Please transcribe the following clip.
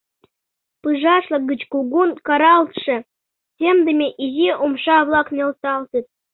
Пыжашла гыч кугун каралтше, темдыме изи умша-влак нӧлталтыт.